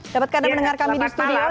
dapatkan dengar kami di studio